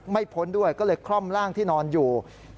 พ้นด้วยก็เลยคล่อมร่างที่นอนอยู่